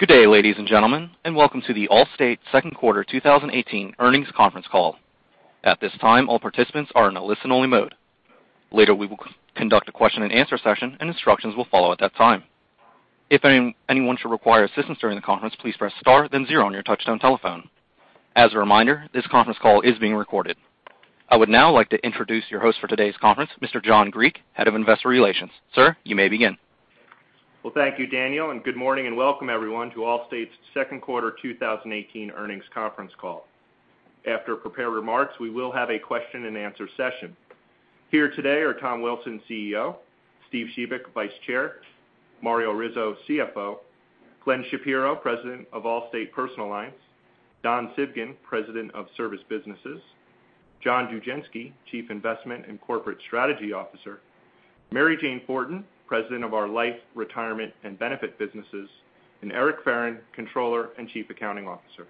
Good day, ladies and gentlemen, and welcome to the Allstate second quarter 2018 earnings conference call. At this time, all participants are in a listen only mode. Later, we will conduct a question and answer session, and instructions will follow at that time. If anyone should require assistance during the conference, please press star then zero on your touchtone telephone. As a reminder, this conference call is being recorded. I would now like to introduce your host for today's conference, Mr. John Griek, Head of Investor Relations. Sir, you may begin. Well, thank you, Daniel, and good morning and welcome everyone to Allstate's second quarter 2018 earnings conference call. After prepared remarks, we will have a question and answer session. Here today are Tom Wilson, CEO, Steve Shebik, Vice Chair, Mario Rizzo, CFO, Glenn Shapiro, President of Allstate Personal Lines, Don Civgin, President of Service Businesses, John Dugenske, Chief Investment and Corporate Strategy Officer, Mary Jane Fortin, President of our Life, Retirement and Benefit Businesses, and Eric Ferren, Controller and Chief Accounting Officer.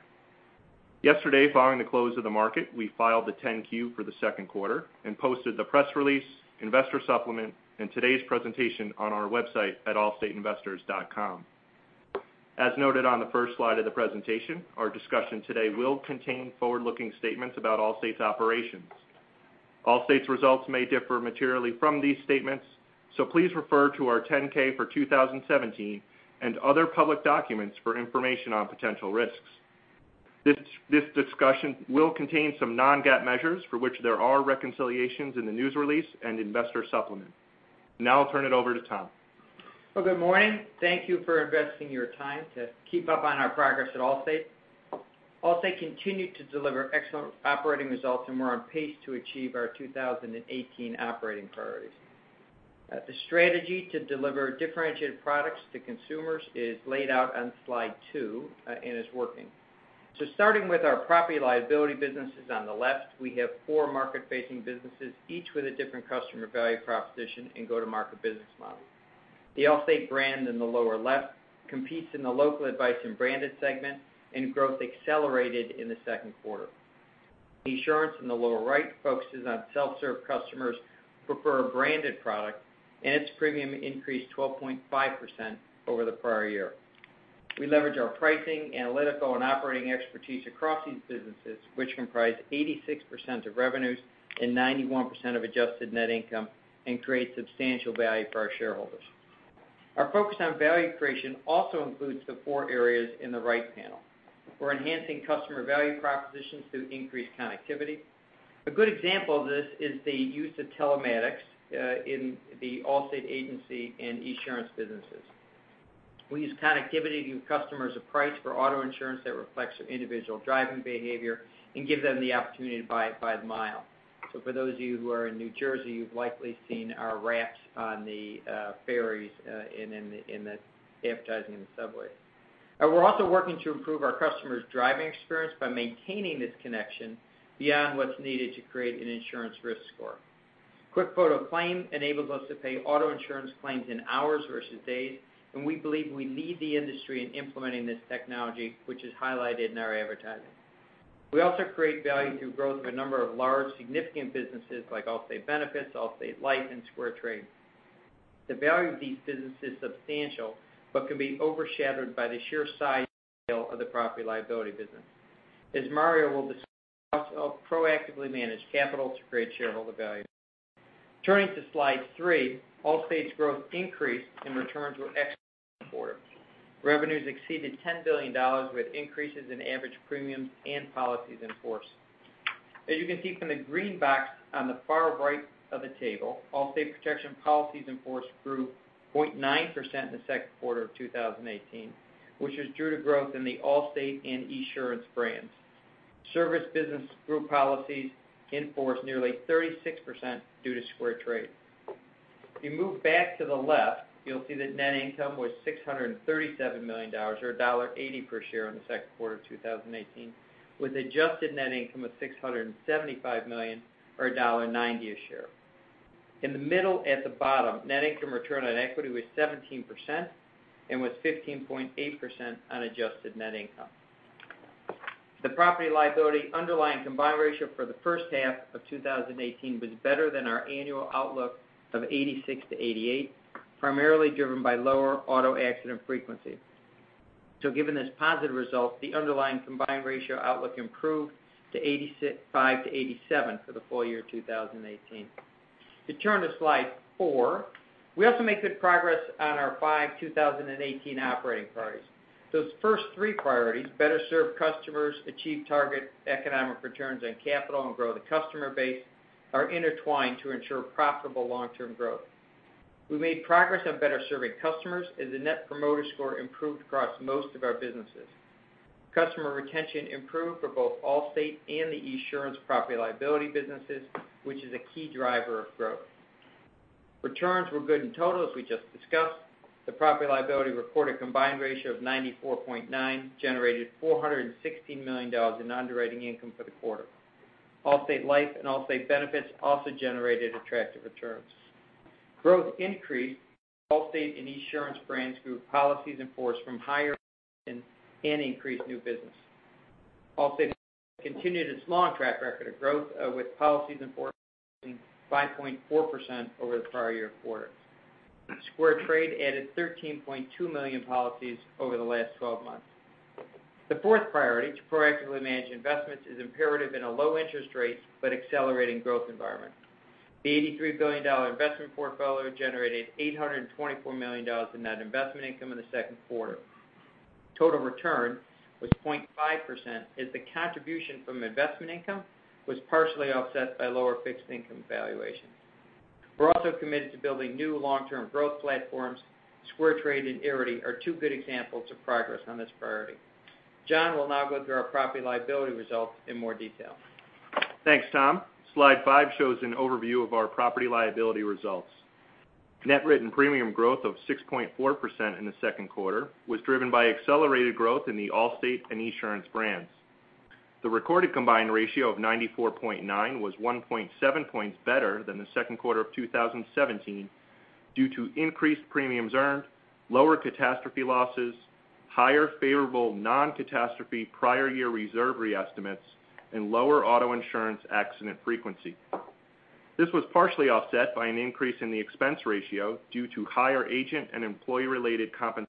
Yesterday, following the close of the market, we filed the 10-Q for the second quarter and posted the press release, investor supplement, and today's presentation on our website at allstateinvestors.com. As noted on the first slide of the presentation, our discussion today will contain forward-looking statements about Allstate's operations. Allstate's results may differ materially from these statements, please refer to our 10-K for 2017 and other public documents for information on potential risks. This discussion will contain some non-GAAP measures for which there are reconciliations in the news release and investor supplement. Now I'll turn it over to Tom. Well, good morning. Thank you for investing your time to keep up on our progress at Allstate. Allstate continued to deliver excellent operating results, and we're on pace to achieve our 2018 operating priorities. The strategy to deliver differentiated products to consumers is laid out on slide two, and is working. Starting with our property liability businesses on the left, we have four market-facing businesses, each with a different customer value proposition and go-to-market business model. The Allstate brand in the lower left competes in the local advice and branded segment, and growth accelerated in the second quarter. Esurance in the lower right focuses on self-serve customers who prefer a branded product, and its premium increased 12.5% over the prior year. We leverage our pricing, analytical, and operating expertise across these businesses, which comprise 86% of revenues and 91% of adjusted net income, and create substantial value for our shareholders. Our focus on value creation also includes the four areas in the right panel. We're enhancing customer value propositions through increased connectivity. A good example of this is the use of telematics in the Allstate agency and Esurance businesses. We use connectivity to give customers a price for auto insurance that reflects their individual driving behavior and give them the opportunity to buy it by the mile. For those of you who are in New Jersey, you've likely seen our wraps on the ferries and in the advertising in the subway. We're also working to improve our customers' driving experience by maintaining this connection beyond what's needed to create an insurance risk score. QuickFoto Claim enables us to pay auto insurance claims in hours versus days, and we believe we lead the industry in implementing this technology, which is highlighted in our advertising. We also create value through growth of a number of large significant businesses like Allstate Benefits, Allstate Life, and SquareTrade. The value of these businesses is substantial but can be overshadowed by the sheer size of the property and liability business. As Mario will discuss, we also proactively manage capital to create shareholder value. Turning to slide three, Allstate's growth increased, and returns were excellent this quarter. Revenues exceeded $10 billion with increases in average premiums and policies in force. As you can see from the green box on the far right of the table, Allstate Protection policies in force grew 0.9% in the second quarter of 2018, which is due to growth in the Allstate and Esurance brands. Service business group policies in force nearly 36% due to SquareTrade. If you move back to the left, you'll see that net income was $637 million, or $1.80 per share in the second quarter of 2018, with adjusted net income of $675 million or $1.90 a share. In the middle at the bottom, net income return on equity was 17% and was 15.8% on adjusted net income. The property & liability underlying combined ratio for the first half of 2018 was better than our annual outlook of 86%-88%, primarily driven by lower auto accident frequency. Given this positive result, the underlying combined ratio outlook improved to 85%-87% for the full year 2018. If you turn to slide four, we also made good progress on our five 2018 operating priorities. Those first three priorities, better serve customers, achieve target economic returns on capital, and grow the customer base, are intertwined to ensure profitable long-term growth. We made progress on better serving customers, as the Net Promoter Score improved across most of our businesses. Customer retention improved for both Allstate and the Esurance property & liability businesses, which is a key driver of growth. Returns were good in total, as we just discussed. The property & liability reported combined ratio of 94.9% generated $416 million in underwriting income for the quarter. Allstate Life and Allstate Benefits also generated attractive returns. Growth increased. Allstate and Esurance brands grew policies in force from higher retention and increased new business. Allstate continued its long track record of growth with policies in force increasing 5.4% over the prior year quarter. SquareTrade added 13.2 million policies over the last 12 months. The fourth priority, to proactively manage investments, is imperative in a low interest rate but accelerating growth environment. The $83 billion investment portfolio generated $824 million in net investment income in the second quarter. Total return was 0.5% as the contribution from investment income was partially offset by lower fixed income valuations. We're also committed to building new long-term growth platforms. SquareTrade and Arity are two good examples of progress on this priority. John will now go through our property liability results in more detail. Thanks, Tom. Slide five shows an overview of our property liability results. Net written premium growth of 6.4% in the second quarter was driven by accelerated growth in the Allstate and Esurance brands. The recorded combined ratio of 94.9 was 1.7 points better than the second quarter of 2017 due to increased premiums earned, lower catastrophe losses, higher favorable non-catastrophe prior year reserve re-estimates, and lower auto insurance accident frequency. This was partially offset by an increase in the expense ratio due to higher agent and employee-related compensation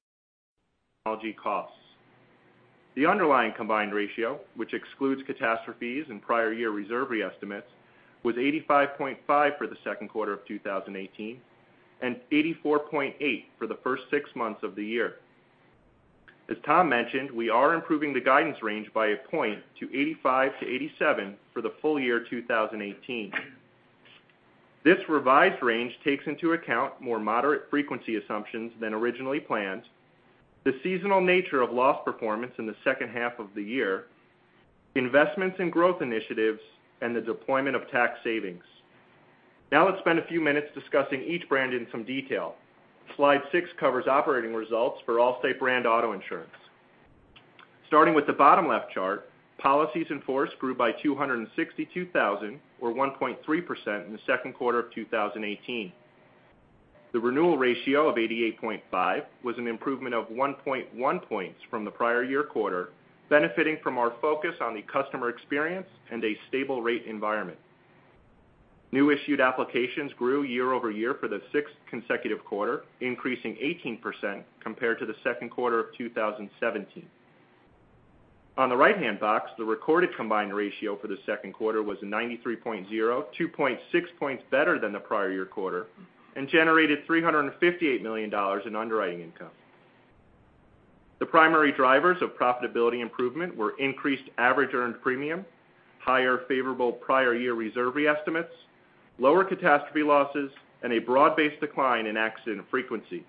costs. The underlying combined ratio, which excludes catastrophes and prior year reserve re-estimates, was 85.5 for the second quarter of 2018 and 84.8 for the first six months of the year. As Tom mentioned, we are improving the guidance range by a point to 85 to 87 for the full year 2018. This revised range takes into account more moderate frequency assumptions than originally planned, the seasonal nature of loss performance in the second half of the year, investments in growth initiatives, and the deployment of tax savings. Let's spend a few minutes discussing each brand in some detail. Slide six covers operating results for Allstate brand auto insurance. Starting with the bottom left chart, policies in force grew by 262,000, or 1.3%, in the second quarter of 2018. The renewal ratio of 88.5 was an improvement of 1.1 points from the prior year quarter, benefiting from our focus on the customer experience and a stable rate environment. New issued applications grew year over year for the sixth consecutive quarter, increasing 18% compared to the second quarter of 2017. On the right-hand box, the recorded combined ratio for the second quarter was 93.0, 2.6 points better than the prior year quarter, and generated $358 million in underwriting income. The primary drivers of profitability improvement were increased average earned premium, higher favorable prior year reserve re-estimates, lower catastrophe losses, and a broad-based decline in accident frequency.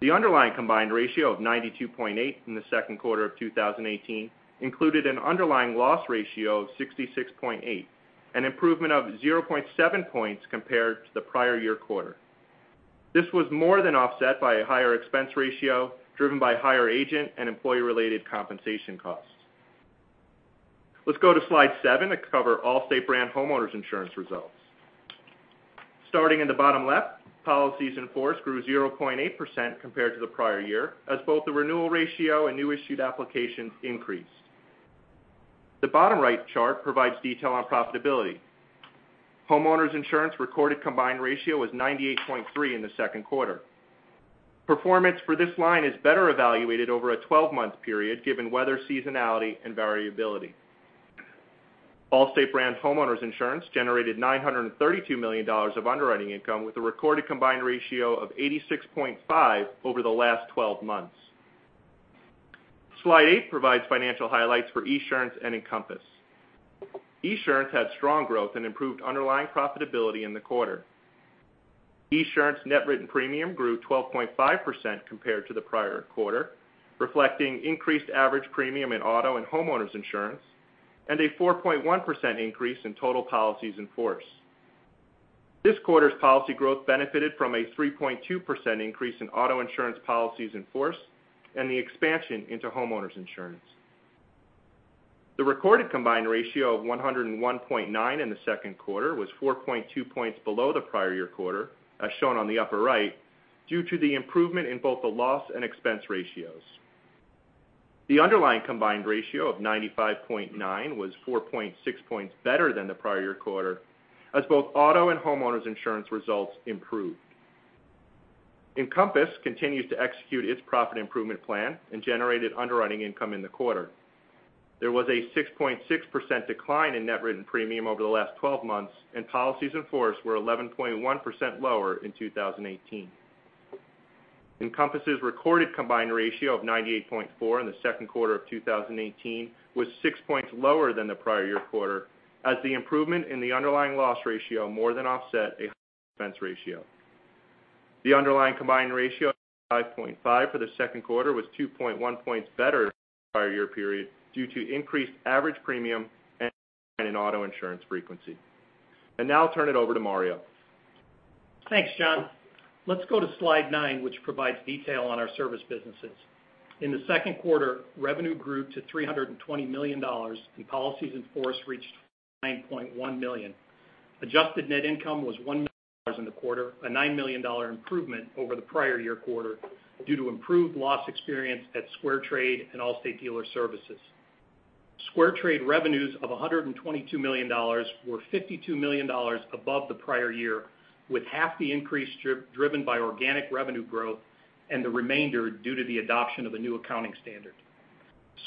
The underlying combined ratio of 92.8 in the second quarter of 2018 included an underlying loss ratio of 66.8, an improvement of 0.7 points compared to the prior year quarter. This was more than offset by a higher expense ratio, driven by higher agent and employee-related compensation costs. Let's go to slide seven to cover Allstate brand homeowners insurance results. Starting in the bottom left, policies in force grew 0.8% compared to the prior year, as both the renewal ratio and new issued applications increased. The bottom right chart provides detail on profitability. Homeowners insurance recorded combined ratio was 98.3 in the second quarter. Performance for this line is better evaluated over a 12-month period, given weather seasonality and variability. Allstate brand homeowners insurance generated $932 million of underwriting income, with a recorded combined ratio of 86.5 over the last 12 months. Slide eight provides financial highlights for Esurance and Encompass. Esurance had strong growth and improved underlying profitability in the quarter. Esurance net written premium grew 12.5% compared to the prior quarter, reflecting increased average premium in auto and homeowners insurance, and a 4.1% increase in total policies in force. This quarter's policy growth benefited from a 3.2% increase in auto insurance policies in force and the expansion into homeowners insurance. The recorded combined ratio of 101.9 in the second quarter was 4.2 points below the prior year quarter, as shown on the upper right, due to the improvement in both the loss and expense ratios. The underlying combined ratio of 95.9 was 4.6 points better than the prior year quarter, as both auto and homeowners insurance results improved. Encompass continues to execute its profit improvement plan and generated underwriting income in the quarter. There was a 6.6% decline in net written premium over the last 12 months, and policies in force were 11.1% lower in 2018. Encompass' recorded combined ratio of 98.4 in the second quarter of 2018 was six points lower than the prior year quarter, as the improvement in the underlying loss ratio more than offset an expense ratio. The underlying combined ratio of 95.5 for the second quarter was 2.1 points better than the prior year period, due to increased average premium and in auto insurance frequency. Now I'll turn it over to Mario. Thanks, John. Let's go to slide nine, which provides detail on our service businesses. In the second quarter, revenue grew to $320 million, and policies in force reached 9.1 million. Adjusted net income was $1 million In the quarter, a $9 million improvement over the prior year quarter due to improved loss experience at SquareTrade and Allstate Dealer Services. SquareTrade revenues of $122 million were $52 million above the prior year, with half the increase driven by organic revenue growth and the remainder due to the adoption of a new accounting standard.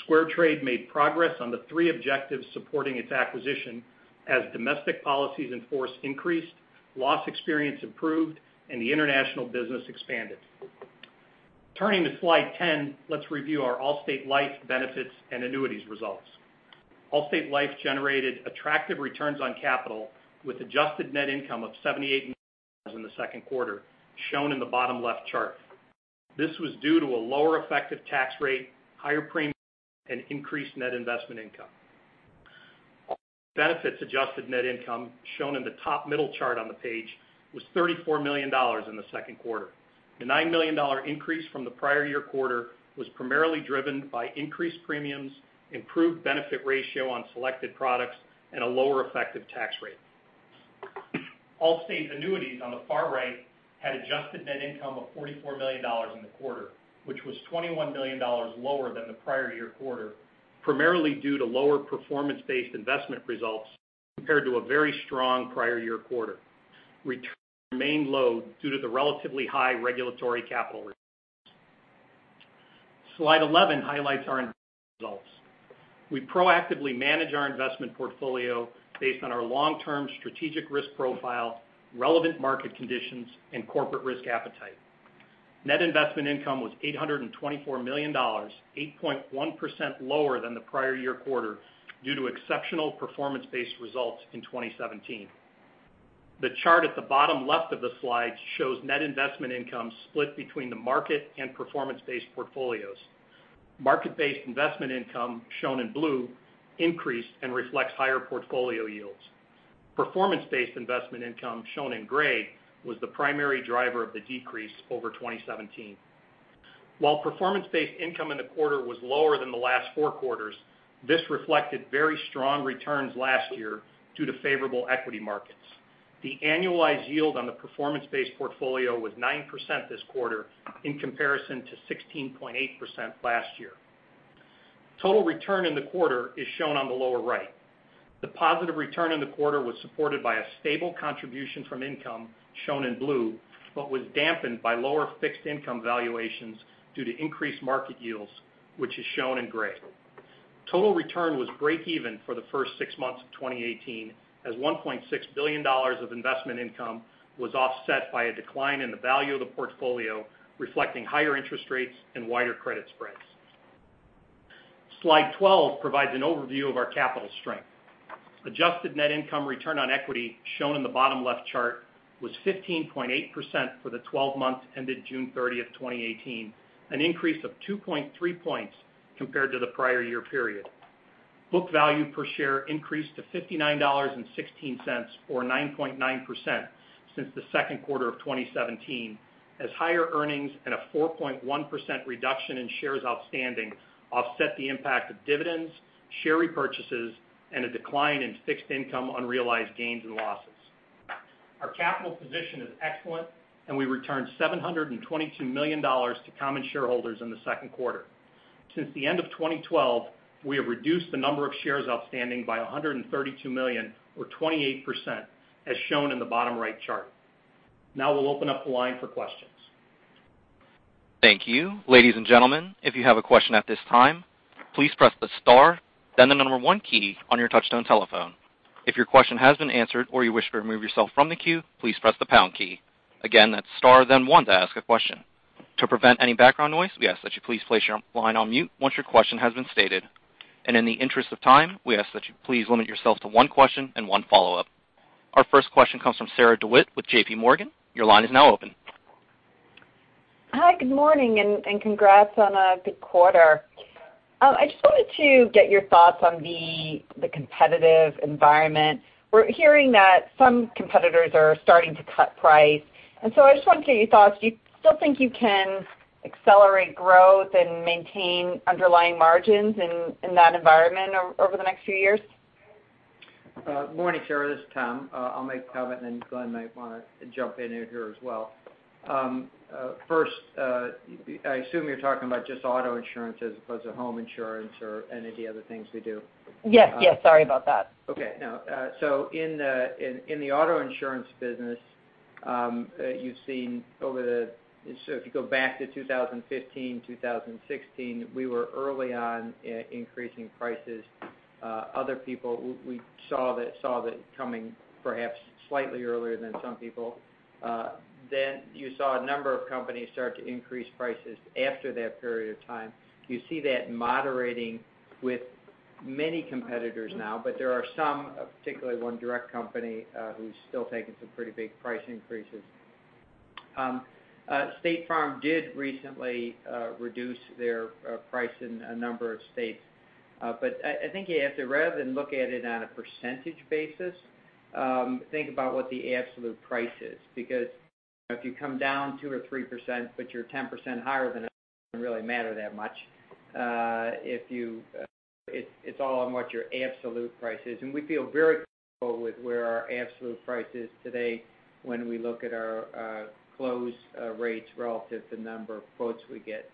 SquareTrade made progress on the three objectives supporting its acquisition as domestic policies in force increased, loss experience improved, and the international business expanded. Turning to slide 10, let's review our Allstate Life benefits and annuities results. Allstate Life generated attractive returns on capital with adjusted net income of $78 million in the second quarter, shown in the bottom left chart. This was due to a lower effective tax rate, higher premiums, and increased net investment income. Benefits adjusted net income, shown in the top middle chart on the page, was $34 million in the second quarter. The $9 million increase from the prior year quarter was primarily driven by increased premiums, improved benefit ratio on selected products, and a lower effective tax rate. Allstate annuities on the far right had adjusted net income of $44 million in the quarter, which was $21 million lower than the prior year quarter, primarily due to lower performance-based investment results compared to a very strong prior year quarter. Returns remained low due to the relatively high regulatory capital requirements. Slide 11 highlights our investment results. We proactively manage our investment portfolio based on our long-term strategic risk profile, relevant market conditions, and corporate risk appetite. Net investment income was $824 million, 8.1% lower than the prior year quarter due to exceptional performance-based results in 2017. The chart at the bottom left of the slide shows net investment income split between the market and performance-based portfolios. Market-based investment income, shown in blue, increased and reflects higher portfolio yields. Performance-based investment income, shown in gray, was the primary driver of the decrease over 2017. While performance-based income in the quarter was lower than the last four quarters, this reflected very strong returns last year due to favorable equity markets. The annualized yield on the performance-based portfolio was 9% this quarter in comparison to 16.8% last year. Total return in the quarter is shown on the lower right. The positive return in the quarter was supported by a stable contribution from income, shown in blue, but was dampened by lower fixed income valuations due to increased market yields, which is shown in gray. Total return was breakeven for the first six months of 2018, as $1.6 billion of investment income was offset by a decline in the value of the portfolio, reflecting higher interest rates and wider credit spreads. Slide 12 provides an overview of our capital strength. Adjusted net income return on equity, shown in the bottom left chart, was 15.8% for the 12 months ended June 30th, 2018, an increase of 2.3 points compared to the prior year period. Book value per share increased to $59.16, or 9.9% since the second quarter of 2017, as higher earnings and a 4.1% reduction in shares outstanding offset the impact of dividends, share repurchases, and a decline in fixed income unrealized gains and losses. Our capital position is excellent, and we returned $722 million to common shareholders in the second quarter. Since the end of 2012, we have reduced the number of shares outstanding by 132 million or 28%, as shown in the bottom right chart. We'll open up the line for questions. Thank you. Ladies and gentlemen, if you have a question at this time, please press the star then the number one key on your touchtone telephone. If your question has been answered or you wish to remove yourself from the queue, please press the pound key. Again, that's star then one to ask a question. To prevent any background noise, we ask that you please place your line on mute once your question has been stated. In the interest of time, we ask that you please limit yourself to one question and one follow-up. Our first question comes from Sarah DeWitt with J.P. Morgan. Your line is now open. Hi, good morning and congrats on a good quarter. I just wanted to get your thoughts on the competitive environment. We're hearing that some competitors are starting to cut price, I just wanted to get your thoughts. Do you still think you can accelerate growth and maintain underlying margins in that environment over the next few years? Morning, Sarah. This is Tom. I'll make a comment, then Glenn might want to jump in here as well. First, I assume you're talking about just auto insurance as opposed to home insurance or any of the other things we do. Yes. Sorry about that. In the auto insurance business, if you go back to 2015, 2016, we were early on increasing prices. We saw that coming perhaps slightly earlier than some people. You saw a number of companies start to increase prices after that period of time. You see that moderating with many competitors now, but there are some, particularly one direct company, who's still taking some pretty big price increases. State Farm did recently reduce their price in a number of states. I think you have to, rather than look at it on a percentage basis, think about what the absolute price is because If you come down 2% or 3%, but you're 10% higher than us, it doesn't really matter that much. It's all on what your absolute price is. We feel very comfortable with where our absolute price is today when we look at our close rates relative to the number of quotes we get.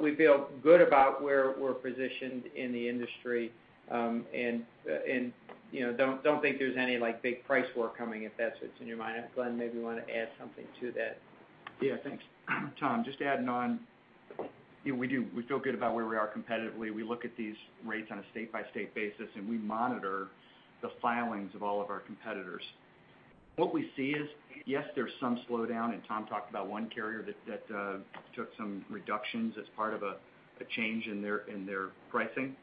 We feel good about where we're positioned in the industry, and don't think there's any big price war coming, if that's what's in your mind. Glenn, maybe you want to add something to that. Yeah, thanks, Tom. Just adding on, we feel good about where we are competitively. We look at these rates on a state-by-state basis, and we monitor the filings of all of our competitors. What we see is, yes, there's some slowdown, Tom talked about one carrier that took some reductions as part of a change in their pricing.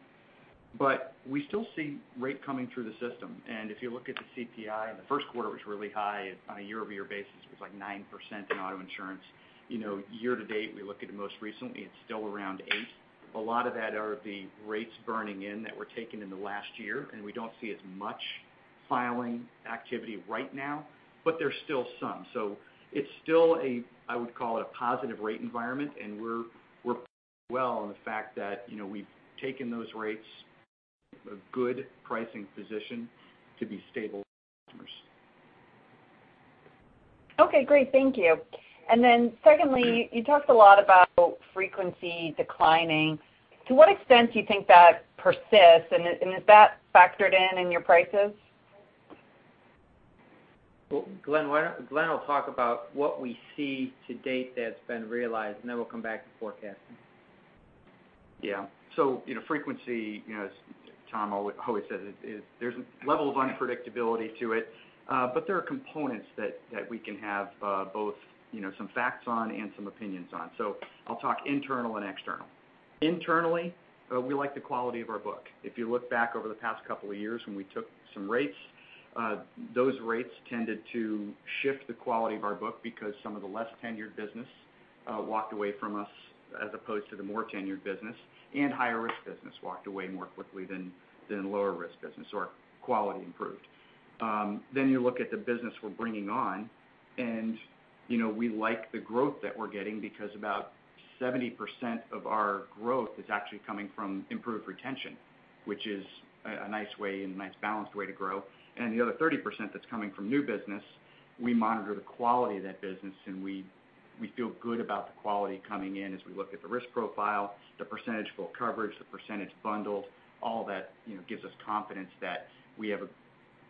We still see rate coming through the system. If you look at the CPI, in the first quarter, it was really high on a year-over-year basis. It was like 9% in auto insurance. Year to date, we look at it most recently, it's still around 8%. A lot of that are the rates burning in that were taken in the last year, and we don't see as much filing activity right now. There's still some. It's still a, I would call it, a positive rate environment, and we're playing well on the fact that we've taken those rates in a good pricing position to be stable for customers. Okay, great. Thank you. Secondly, you talked a lot about frequency declining. To what extent do you think that persists, and is that factored in in your prices? Well, Glenn will talk about what we see to date that's been realized, and then we'll come back to forecasting. Yeah. Frequency, as Tom always says, there's a level of unpredictability to it. There are components that we can have both some facts on and some opinions on. I'll talk internal and external. Internally, we like the quality of our book. If you look back over the past couple of years when we took some rates, those rates tended to shift the quality of our book because some of the less tenured business walked away from us as opposed to the more tenured business, and higher-risk business walked away more quickly than lower-risk business. Our quality improved. You look at the business we're bringing on, and we like the growth that we're getting because about 70% of our growth is actually coming from improved retention, which is a nice balanced way to grow. The other 30% that's coming from new business, we monitor the quality of that business, and we feel good about the quality coming in as we look at the risk profile, the percentage full coverage, the percentage bundled, all that gives us confidence that we have a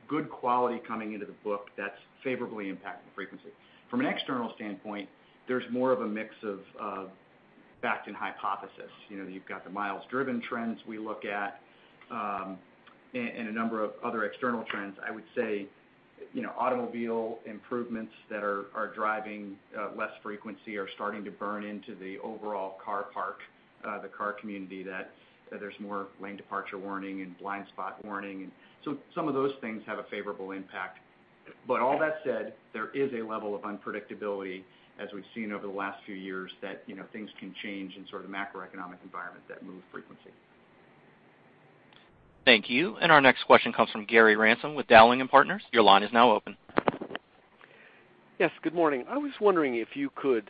good quality coming into the book that's favorably impacting frequency. From an external standpoint, there's more of a mix of backed-in hypothesis. You've got the miles driven trends we look at, and a number of other external trends. I would say automobile improvements that are driving less frequency are starting to burn into the overall car park, the car community, that there's more lane departure warning and blind spot warning. Some of those things have a favorable impact. All that said, there is a level of unpredictability, as we've seen over the last few years, that things can change in sort of macroeconomic environment that move frequency. Thank you. Our next question comes from Gary Ransom with Dowling & Partners. Your line is now open. Yes, good morning. I was wondering if you could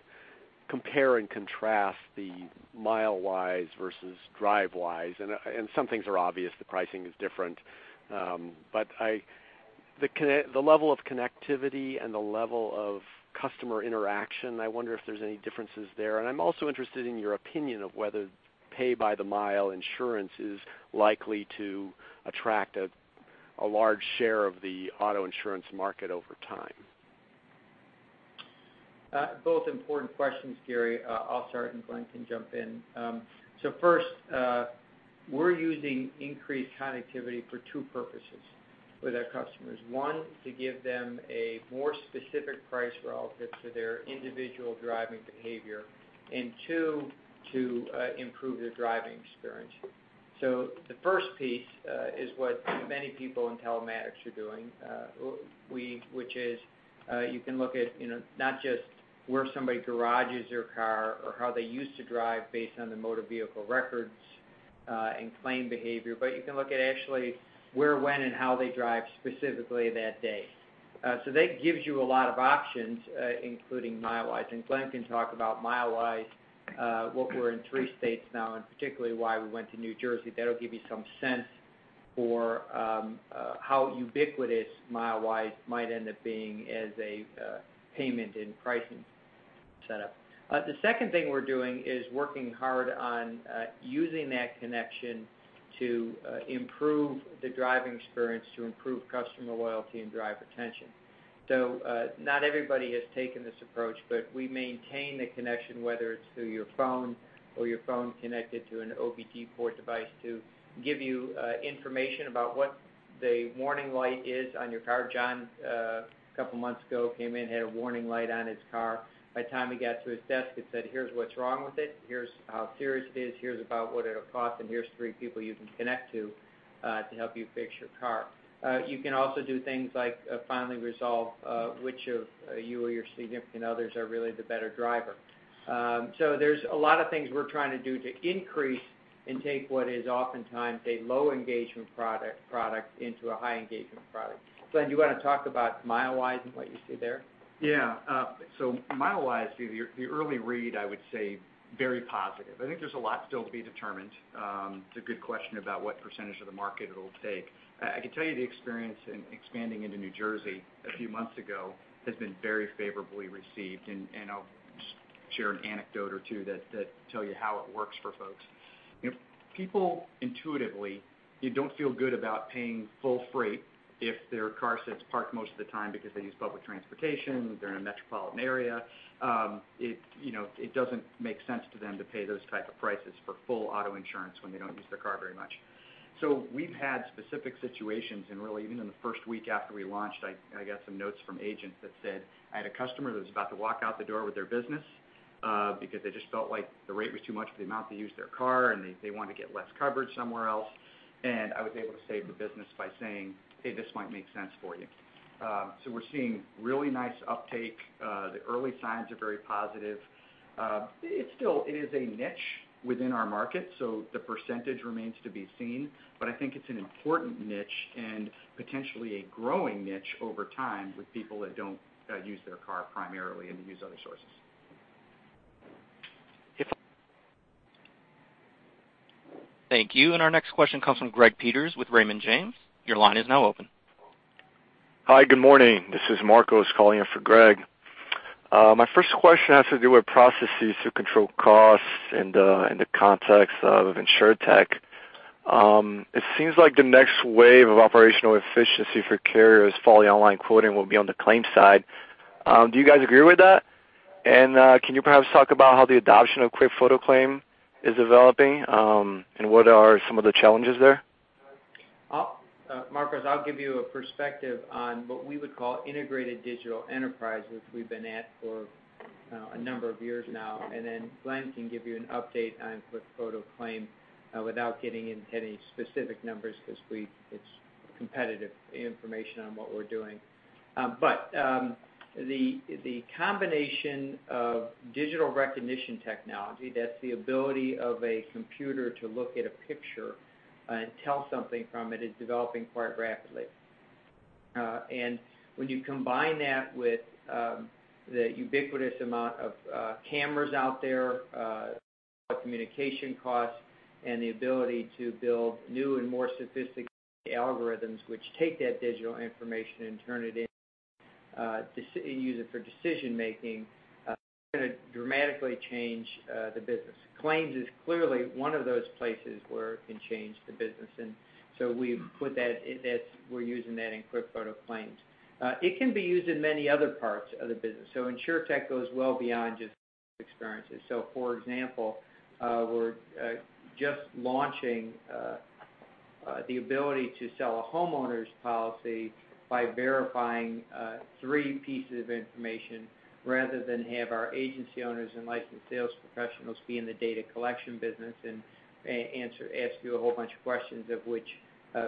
compare and contrast the Milewise versus Drivewise, some things are obvious. The pricing is different. The level of connectivity and the level of customer interaction, I wonder if there's any differences there. I'm also interested in your opinion of whether pay-by-the-mile insurance is likely to attract a large share of the auto insurance market over time. Both important questions, Gary. First, we're using increased connectivity for two purposes with our customers. One, to give them a more specific price relative to their individual driving behavior. Two, to improve their driving experience. The first piece is what many people in telematics are doing, which is you can look at not just where somebody garages their car or how they used to drive based on the motor vehicle records and claim behavior, but you can look at actually where, when, and how they drive specifically that day. That gives you a lot of options, including Milewise. Glenn can talk about Milewise, what we're in 3 states now, and particularly why we went to New Jersey. That'll give you some sense for how ubiquitous Milewise might end up being as a payment and pricing setup. The second thing we're doing is working hard on using that connection to improve the driving experience, to improve customer loyalty, and drive retention. Not everybody has taken this approach, but we maintain the connection, whether it's through your phone or your phone connected to an OBD port device, to give you information about what the warning light is on your car. John, a couple of months ago, came in, had a warning light on his car. By the time he got to his desk, it said, "Here's what's wrong with it. Here's how serious it is. Here's about what it'll cost, and here's three people you can connect to help you fix your car." You can also do things like finally resolve which of you or your significant others are really the better driver. There's a lot of things we're trying to do to increase and take what is oftentimes a low engagement product into a high engagement product. Glenn, do you want to talk about Milewise and what you see there? Yeah. Milewise, the early read, I would say, very positive. I think there's a lot still to be determined. It's a good question about what percentage of the market it'll take. I can tell you the experience in expanding into New Jersey a few months ago has been very favorably received, and I'll share an anecdote or two that tell you how it works for folks. People intuitively don't feel good about paying full freight if their car sits parked most of the time because they use public transportation, they're in a metropolitan area. It doesn't make sense to them to pay those type of prices for full auto insurance when they don't use their car very much. We've had specific situations and really, even in the first week after we launched, I got some notes from agents that said, "I had a customer that was about to walk out the door with their business because they just felt like the rate was too much for the amount they used their car, and they wanted to get less coverage somewhere else. I was able to save the business by saying, 'Hey, this might make sense for you.'" We're seeing really nice uptake. The early signs are very positive. It is a niche within our market, so the percentage remains to be seen. I think it's an important niche and potentially a growing niche over time with people that don't use their car primarily and use other sources. Thank you. Our next question comes from Greg Peters with Raymond James. Your line is now open. Hi, good morning. This is Marcos calling in for Greg. My first question has to do with processes to control costs in the context of InsurTech. It seems like the next wave of operational efficiency for carriers following online quoting will be on the claims side. Do you guys agree with that? Can you perhaps talk about how the adoption of QuickFoto Claim is developing, and what are some of the challenges there? Marcos, I'll give you a perspective on what we would call Integrated Digital Enterprise, which we've been at for a number of years now. Then Glenn can give you an update on QuickFoto Claim without getting into any specific numbers because it's competitive information on what we're doing. The combination of digital recognition technology, that's the ability of a computer to look at a picture and tell something from it, is developing quite rapidly. When you combine that with the ubiquitous amount of cameras out there, communication costs, and the ability to build new and more sophisticated algorithms which take that digital information and use it for decision making, it's going to dramatically change the business. Claims is clearly one of those places where it can change the business. We're using that in QuickFoto Claim. It can be used in many other parts of the business. InsurTech goes well beyond just experiences. For example, we're just launching the ability to sell a homeowners policy by verifying three pieces of information rather than have our agency owners and licensed sales professionals be in the data collection business and ask you a whole bunch of questions of which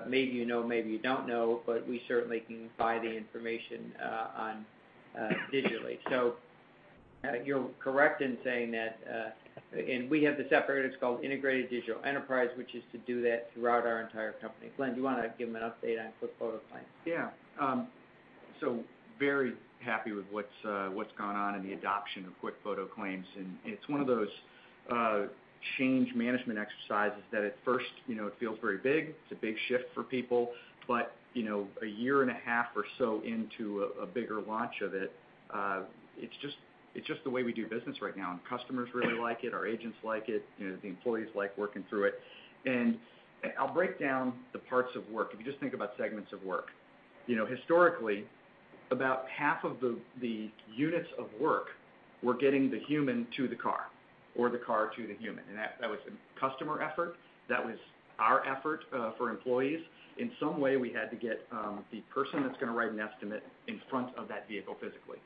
maybe you know, maybe you don't know, but we certainly can buy the information digitally. You're correct in saying that. We have this effort, it's called Integrated Digital Enterprise, which is to do that throughout our entire company. Glenn, do you want to give them an update on QuickFoto Claims? Yeah. Very happy with what's gone on in the adoption of QuickFoto Claims, it's one of those change management exercises that at first, it feels very big. It's a big shift for people. A year and a half or so into a bigger launch of it's just the way we do business right now, customers really like it, our agents like it, the employees like working through it. I'll break down the parts of work. If you just think about segments of work. Historically, about half of the units of work were getting the human to the car or the car to the human, that was a customer effort. That was our effort for employees. In some way, we had to get the person that's going to write an estimate in front of that vehicle physically.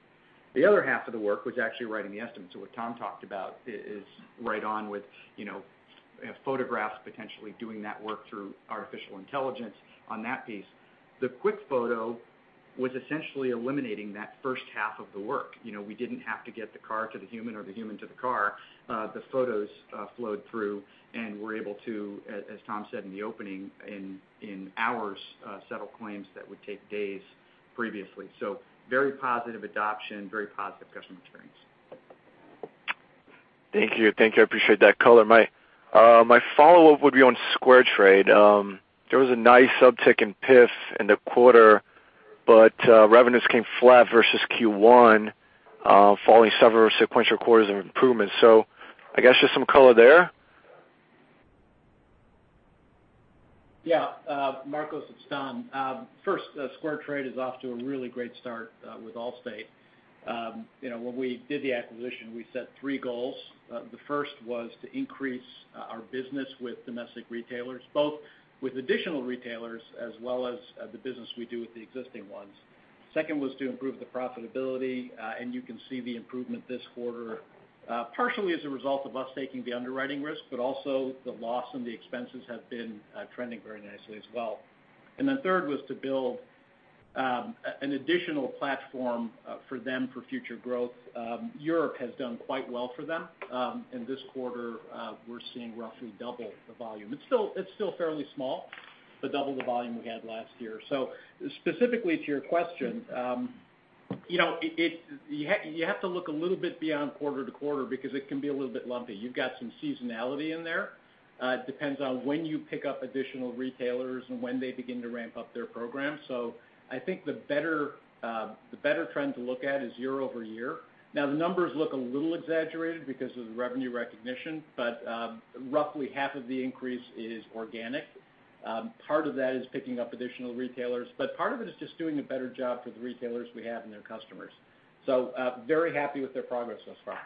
The other half of the work was actually writing the estimate. What Tom talked about is right on with photographs potentially doing that work through artificial intelligence on that piece. The QuickFoto was essentially eliminating that first half of the work. We didn't have to get the car to the human or the human to the car. The photos flowed through, we're able to, as Tom said in the opening, in hours, settle claims that would take days previously. Very positive adoption, very positive customer experience. Thank you. I appreciate that color. My follow-up would be on SquareTrade. There was a nice uptick in PIF in the quarter, but revenues came flat versus Q1, following several sequential quarters of improvement. I guess just some color there? Marcos, it's Don. First, SquareTrade is off to a really great start with Allstate. When we did the acquisition, we set three goals. The first was to increase our business with domestic retailers, both with additional retailers as well as the business we do with the existing ones. Second was to improve the profitability, you can see the improvement this quarter, partially as a result of us taking the underwriting risk, but also the loss and the expenses have been trending very nicely as well. Third was to build An additional platform for them for future growth. Europe has done quite well for them. This quarter, we're seeing roughly double the volume. It's still fairly small, but double the volume we had last year. Specifically to your question, you have to look a little bit beyond quarter to quarter because it can be a little bit lumpy. You've got some seasonality in there. It depends on when you pick up additional retailers and when they begin to ramp up their program. I think the better trend to look at is year-over-year. Now, the numbers look a little exaggerated because of the revenue recognition, but roughly half of the increase is organic. Part of that is picking up additional retailers, but part of it is just doing a better job for the retailers we have and their customers. Very happy with their progress thus far.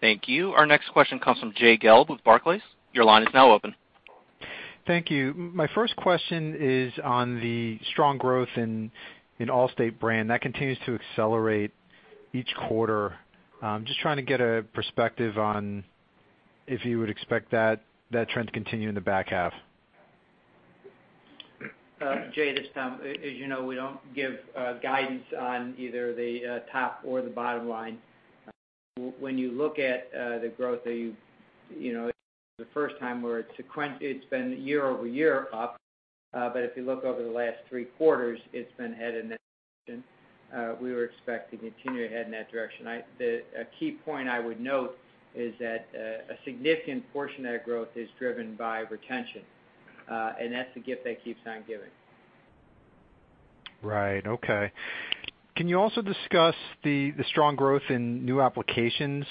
Thank you. Our next question comes from Jay Gelb with Barclays. Your line is now open. Thank you. My first question is on the strong growth in Allstate brand. That continues to accelerate each quarter. Just trying to get a perspective on if you would expect that trend to continue in the back half. Jay, this is Tom. As you know, we don't give guidance on either the top or the bottom line. When you look at the growth that it's the first time where it's been year-over-year up. If you look over the last three quarters, it's been headed in that direction. We would expect to continue to head in that direction. A key point I would note is that a significant portion of that growth is driven by retention. That's the gift that keeps on giving. Right. Okay. Can you also discuss the strong growth in new applications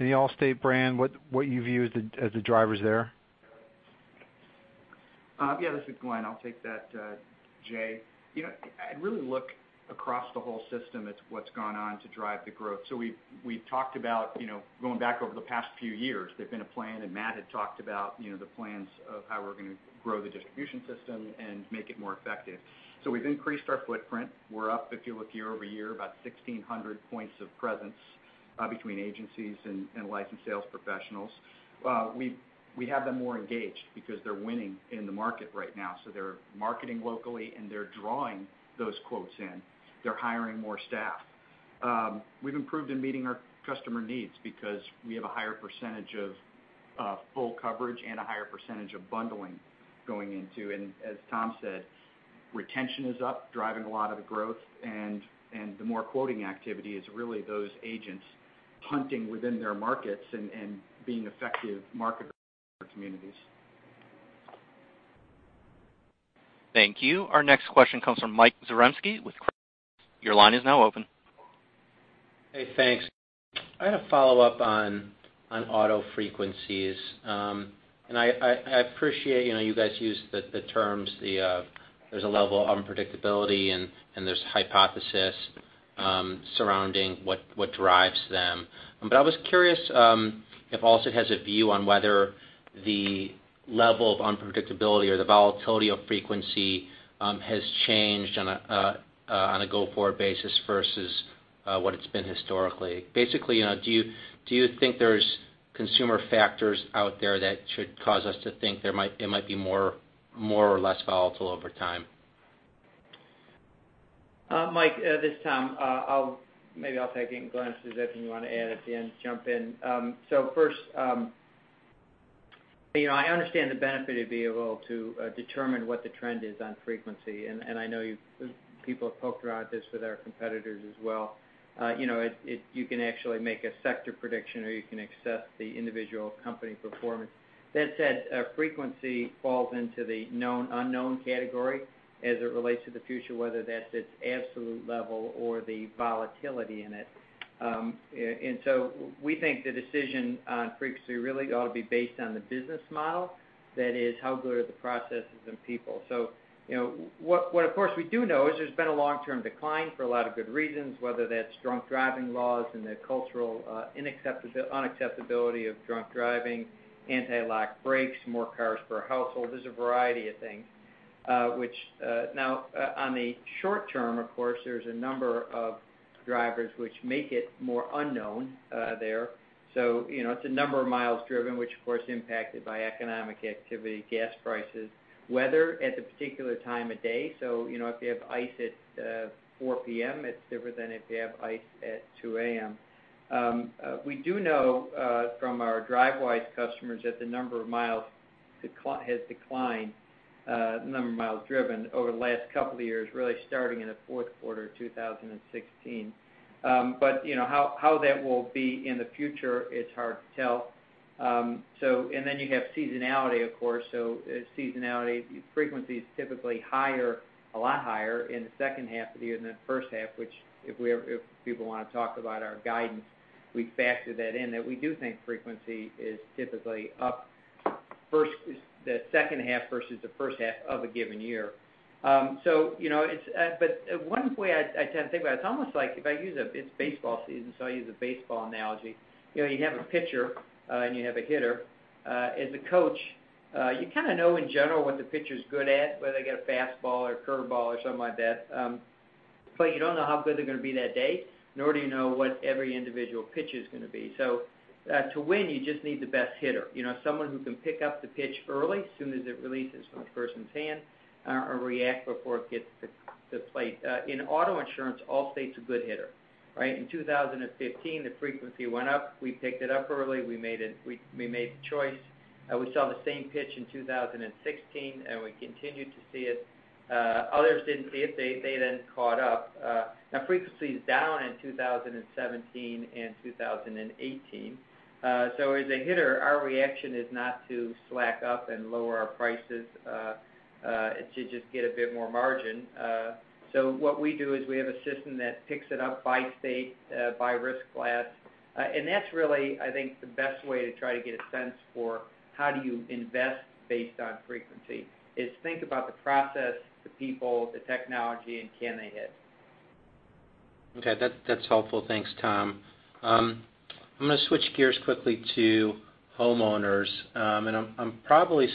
in the Allstate brand? What you view as the drivers there? Yeah, this is Glenn. I'll take that, Jay. I'd really look across the whole system at what's gone on to drive the growth. We've talked about going back over the past few years, there's been a plan, and Matt had talked about the plans of how we're going to grow the distribution system and make it more effective. We've increased our footprint. We're up, if you look year-over-year, about 1,600 points of presence between agencies and licensed sales professionals. We have them more engaged because they're winning in the market right now. They're marketing locally, and they're drawing those quotes in. They're hiring more staff. We've improved in meeting our customer needs because we have a higher percentage of full coverage and a higher percentage of bundling going into. As Tom Wilson said, retention is up, driving a lot of the growth, and the more quoting activity is really those agents hunting within their markets and being effective marketers in their communities. Thank you. Our next question comes from Michael Zaremski with. Your line is now open. Hey, thanks. I had a follow-up on auto frequencies. I appreciate you guys used the terms, there's a level of unpredictability, and there's hypothesis surrounding what drives them. I was curious if The Allstate Corporation has a view on whether the level of unpredictability or the volatility of frequency has changed on a go-forward basis versus what it's been historically. Basically, do you think there's consumer factors out there that should cause us to think it might be more or less volatile over time? Michael Zaremski, this is Tom Wilson. Maybe I'll take it, and Glenn Shapiro, if there's anything you want to add at the end, jump in. First, I understand the benefit of being able to determine what the trend is on frequency, and I know people have poked around this with our competitors as well. You can actually make a sector prediction, or you can assess the individual company performance. That said, frequency falls into the known unknown category as it relates to the future, whether that's its absolute level or the volatility in it. We think the decision on frequency really ought to be based on the business model. That is, how good are the processes and people. What, of course, we do know is there's been a long-term decline for a lot of good reasons, whether that's drunk driving laws and the cultural unacceptability of drunk driving, anti-lock brakes, more cars per household. There's a variety of things. On the short term, of course, there's a number of drivers which make it more unknown there. It's the number of miles driven, which of course, impacted by economic activity, gas prices, weather at the particular time of day. If you have ice at 4:00 P.M., it's different than if you have ice at 2:00 A.M. We do know from our Drivewise customers that the number of miles has declined, the number of miles driven over the last couple of years, really starting in the fourth quarter of 2016. How that will be in the future, it's hard to tell. You have seasonality, of course. Seasonality, frequency is typically a lot higher in the second half of the year than the first half, which if people want to talk about our guidance, we factor that in, that we do think frequency is typically up the second half versus the first half of a given year. One way I tend to think about it's baseball season, so I'll use a baseball analogy. You have a pitcher and you have a hitter. As a coach, you kind of know in general what the pitcher's good at, whether they got a fastball or a curveball or something like that. You don't know how good they're going to be that day, nor do you know what every individual pitch is going to be. To win, you just need the best hitter. Someone who can pick up the pitch early, as soon as it releases from the person's hand, or react before it gets to the plate. In auto insurance, Allstate's a good hitter, right? In 2015, the frequency went up. We picked it up early. We made the choice. We saw the same pitch in 2016, and we continued to see it. Others didn't see it. They then caught up. Frequency's down in 2017 and 2018. As a hitter, our reaction is not to slack up and lower our prices to just get a bit more margin. What we do is we have a system that picks it up by state, by risk class. That's really, I think, the best way to try to get a sense for how do you invest based on frequency, is think about the process, the people, the technology, and can they hit. Okay, that's helpful. Thanks, Tom. I'm going to switch gears quickly to homeowners. I'm probably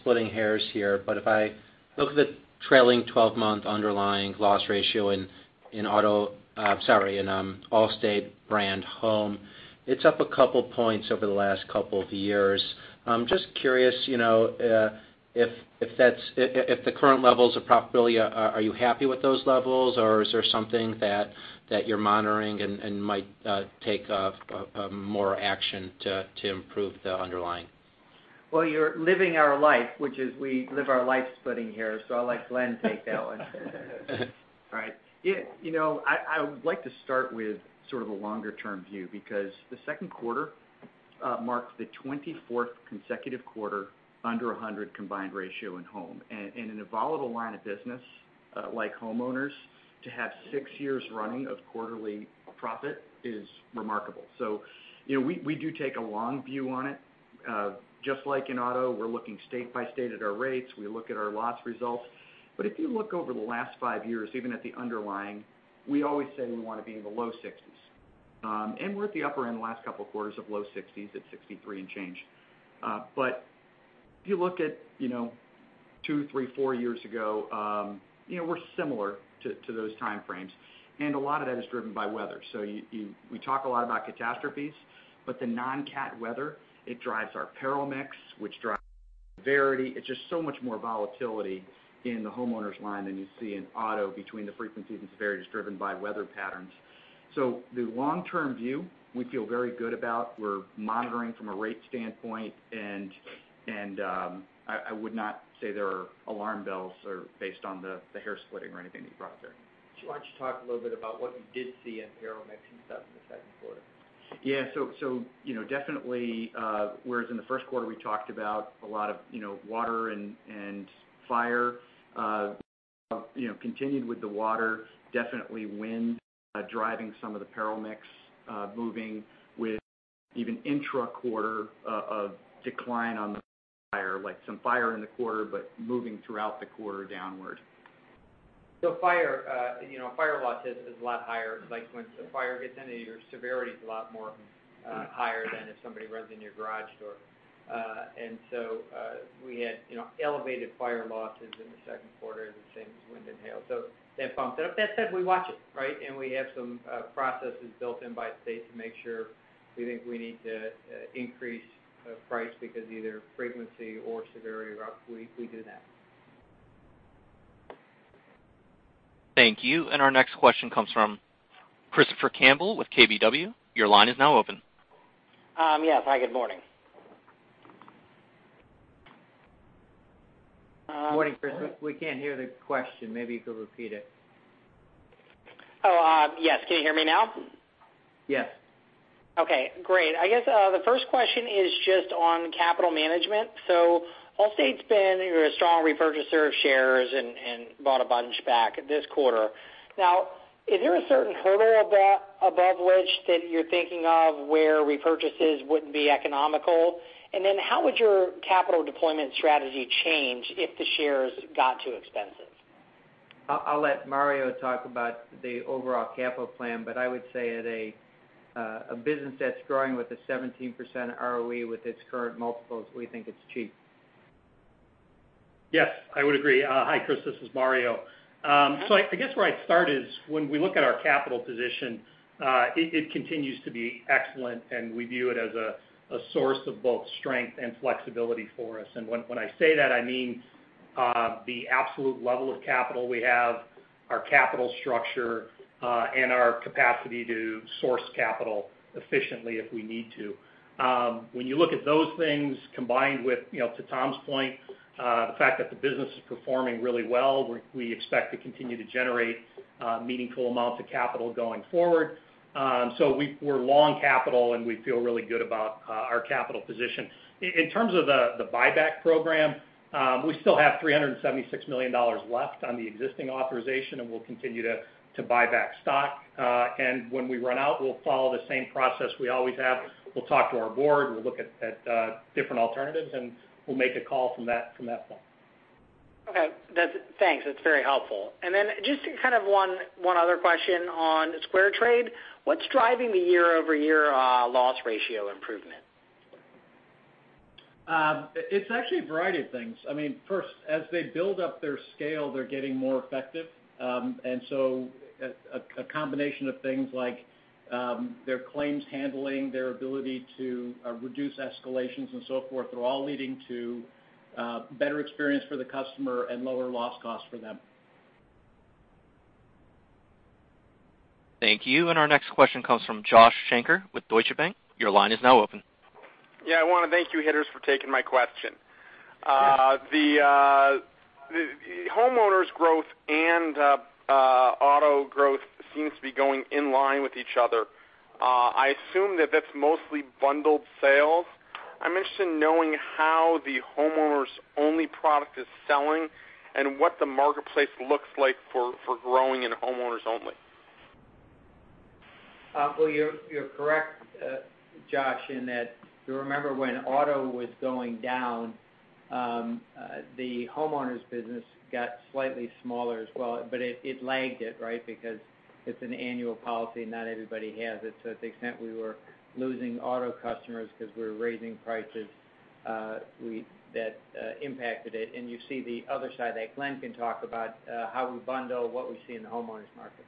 splitting hairs here, but if I look at the trailing 12-month underlying loss ratio in Allstate brand home, it's up a couple points over the last couple of years. I'm just curious, if the current levels of profitability, are you happy with those levels, or is there something that you're monitoring and might take more action to improve the underlying? Well, you're living our life, which is we live our life splitting hairs, I'll let Glenn take that one. Right. I would like to start with sort of a longer term view, because the second quarter marked the 24th consecutive quarter under 100 combined ratio in home. In a volatile line of business like homeowners, to have six years running of quarterly profit is remarkable. We do take a long view on it. Just like in auto, we're looking state by state at our rates. We look at our loss results. If you look over the last five years, even at the underlying, we always say we want to be in the low 60s. We're at the upper end the last couple quarters of low 60s, at 63 and change. If you look at two, three, four years ago, we're similar to those time frames, and a lot of that is driven by weather. We talk a lot about catastrophes, but the non-cat weather, it drives our peril mix, which drives severity. It's just so much more volatility in the homeowners line than you see in auto between the frequencies and severities driven by weather patterns. The long-term view we feel very good about. We're monitoring from a rate standpoint, I would not say there are alarm bells based on the hair splitting or anything that you brought up there. Why don't you talk a little bit about what you did see in peril mix and stuff in the second quarter? Yeah. Definitely, whereas in the first quarter, we talked about a lot of water and fire. Continued with the water, definitely wind driving some of the peril mix, moving with even intra-quarter of decline on the fire. Like some fire in the quarter, but moving throughout the quarter downward. Fire loss is a lot higher. Like once the fire gets into you, your severity's a lot more higher than if somebody runs in your garage door. We had elevated fire losses in the second quarter, the same as wind and hail, so that bumped it up. That said, we watch it, right? We have some processes built in by state to make sure if we think we need to increase price because of either frequency or severity, we do that. Thank you. Our next question comes from Christopher Campbell with KBW. Your line is now open. Yes. Hi, good morning. Morning, Chris. We can't hear the question. Maybe if you'll repeat it. Yes. Can you hear me now? Yes. Okay, great. I guess the first question is just on capital management. Allstate's been a strong repurchaser of shares and bought a bunch back this quarter. Is there a certain hurdle above which that you're thinking of where repurchases wouldn't be economical? How would your capital deployment strategy change if the shares got too expensive? I'll let Mario talk about the overall capital plan, I would say at a business that's growing with a 17% ROE with its current multiples, we think it's cheap. Yes, I would agree. Hi, Chris, this is Mario. I guess where I'd start is when we look at our capital position, it continues to be excellent, we view it as a source of both strength and flexibility for us. When I say that, I mean the absolute level of capital we have, our capital structure, and our capacity to source capital efficiently if we need to. When you look at those things combined with, to Tom's point, the fact that the business is performing really well, we expect to continue to generate meaningful amounts of capital going forward. We're long capital, and we feel really good about our capital position. In terms of the buyback program, we still have $376 million left on the existing authorization, we'll continue to buy back stock. When we run out, we'll follow the same process we always have. We'll talk to our board, we'll look at different alternatives, and we'll make a call from that point. Okay. Thanks. That's very helpful. Then just kind of one other question on SquareTrade. What's driving the year-over-year loss ratio improvement? It's actually a variety of things. First, as they build up their scale, they're getting more effective. A combination of things like their claims handling, their ability to reduce escalations and so forth, are all leading to better experience for the customer and lower loss cost for them. Thank you. Our next question comes from Joshua Shanker with Deutsche Bank. Your line is now open. Yeah. I want to thank you hosts for taking my question. Yeah. The homeowners growth and auto growth seems to be going in line with each other. I assume that that's mostly bundled sales. I'm interested in knowing how the homeowners-only product is selling and what the marketplace looks like for growing in homeowners only. Well, you're correct, Josh, in that you remember when auto was going down, the homeowners business got slightly smaller as well, but it lagged it, because it's an annual policy, not everybody has it. To the extent we were losing auto customers because we were raising prices, that impacted it. You see the other side that Glenn can talk about, how we bundle what we see in the homeowners market.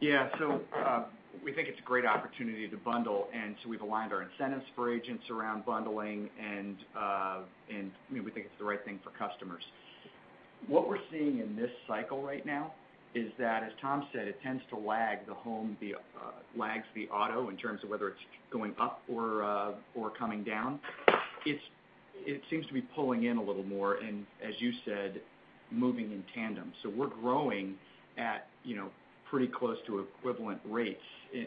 Yeah. We think it's a great opportunity to bundle. We've aligned our incentives for agents around bundling, and we think it's the right thing for customers. What we're seeing in this cycle right now is that, as Tom said, it tends to lag the auto in terms of whether it's going up or coming down. It seems to be pulling in a little more and, as you said, moving in tandem. We're growing at pretty close to equivalent rates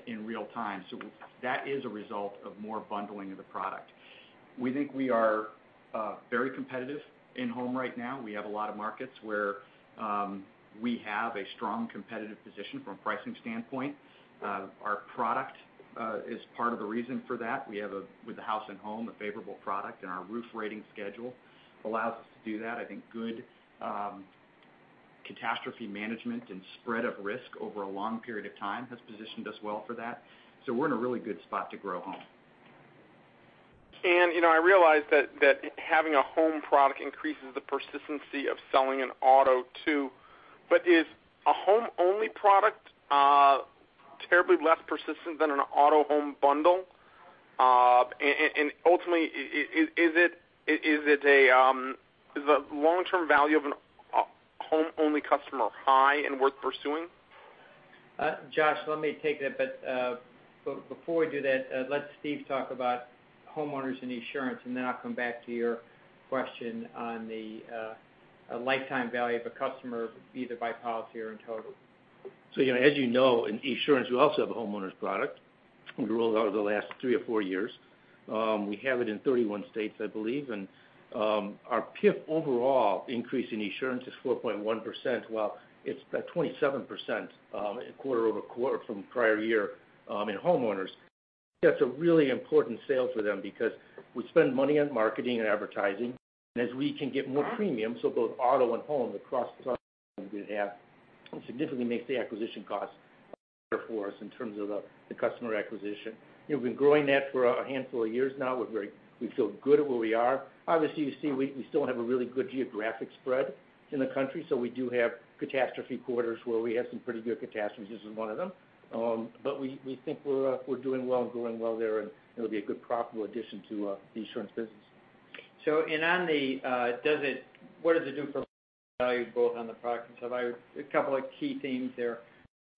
in real time. That is a result of more bundling of the product. We think we are very competitive in home right now. We have a lot of markets where we have a strong competitive position from a pricing standpoint. Our product is part of the reason for that. We have, with the House & Home, a favorable product, our roof rating schedule allows us to do that. I think good catastrophe management and spread of risk over a long period of time has positioned us well for that. We're in a really good spot to grow home. I realize that having a home product increases the persistency of selling an auto, too. Is a home-only product terribly less persistent than an auto-home bundle? Ultimately, is the long-term value of a home-only customer high and worth pursuing? Josh, let me take that. Before we do that, let Steve talk about homeowners and Esurance, and then I'll come back to your question on the lifetime value of a customer, either by policy or in total. As you know, in Esurance, we also have a homeowners product. We rolled it out over the last three or four years. We have it in 31 states, I believe. Our PIF overall increase in Esurance is 4.1%, while it's about 27% quarter-over-quarter from prior year in homeowners. That's a really important sale for them because we spend money on marketing and advertising. As we can get more premium, so both auto and home across the we have, it significantly makes the acquisition cost better for us in terms of the customer acquisition. We've been growing that for a handful of years now. We feel good at where we are. Obviously, you see we still have a really good geographic spread in the country, so we do have catastrophe quarters where we have some pretty good catastrophes. This is one of them. We think we're doing well and growing well there, and it'll be a good profitable addition to the Esurance business. On the what does it do for lifetime value both on the product and so a couple of key themes there.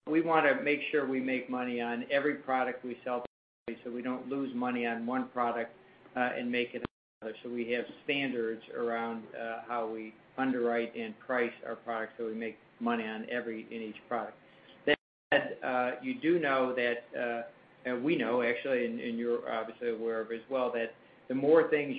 We want to make sure we make money on every product we sell to everybody, so we don't lose money on one product and make it up on another. We have standards around how we underwrite and price our products so we make money on every and each product. That said, you do know that, and we know, actually, and you're obviously aware of as well, that the more things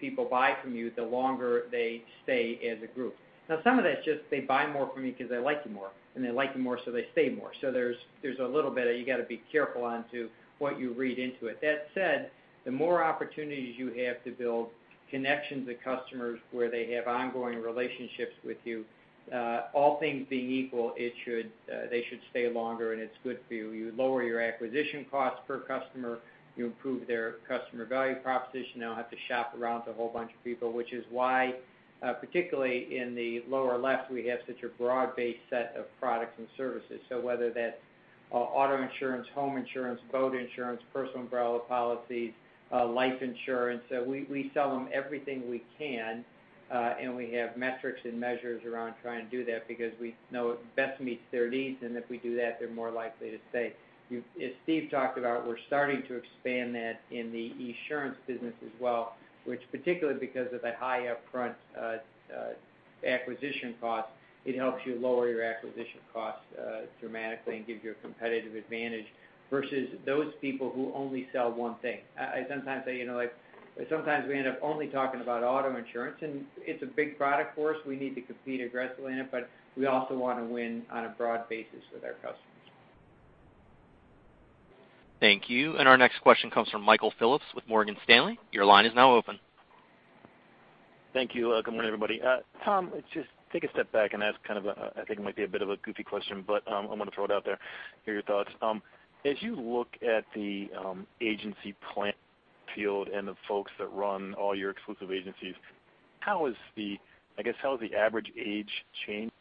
people buy from you, the longer they stay as a group. Now, some of that's just they buy more from you because they like you more. They like you more, so they stay more. There's a little bit you got to be careful on to what you read into it. That said, the more opportunities you have to build connections with customers where they have ongoing relationships with you, all things being equal, they should stay longer and it's good for you. You lower your acquisition cost per customer, you improve their customer value proposition. They don't have to shop around to a whole bunch of people, which is why, particularly in the lower left, we have such a broad-based set of products and services. Whether that's auto insurance, home insurance, boat insurance, personal umbrella policies, life insurance, we sell them everything we can, and we have metrics and measures around trying to do that because we know it best meets their needs. If we do that, they're more likely to stay. As Steve talked about, we're starting to expand that in the Esurance business as well, which particularly because of the high upfront acquisition cost, it helps you lower your acquisition cost dramatically and gives you a competitive advantage versus those people who only sell one thing. I sometimes say, sometimes we end up only talking about auto insurance. It's a big product for us. We need to compete aggressively in it, we also want to win on a broad basis with our customers. Thank you. Our next question comes from Michael Phillips with Morgan Stanley. Your line is now open. Thank you. Good morning, everybody. Tom, let's just take a step back and ask, I think it might be a bit of a goofy question. I'm going to throw it out there, hear your thoughts. As you look at the agency plan field and the folks that run all your exclusive agencies, how has the average age changed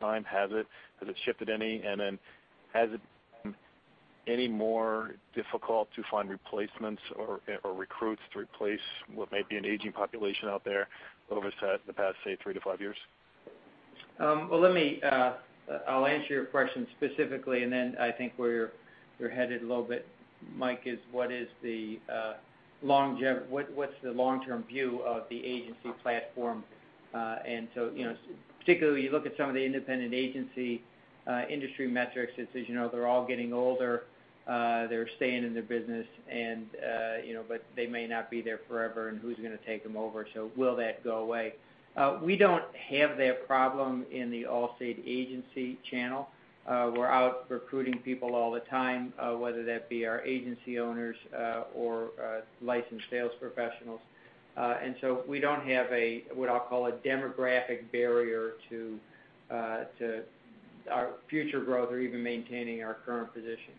over time? Has it shifted any? Then has it been any more difficult to find replacements or recruits to replace what may be an aging population out there over the past, say, three to five years? I'll answer your question specifically, then I think where you're headed a little bit, Mike, is what's the long-term view of the agency platform? Particularly when you look at some of the independent agency industry metrics, it's as you know they're all getting older, they're staying in their business, but they may not be there forever and who's going to take them over? Will that go away? We don't have that problem in the Allstate agency channel. We're out recruiting people all the time, whether that be our agency owners or licensed sales professionals. We don't have a, what I'll call, a demographic barrier to our future growth or even maintaining our current position.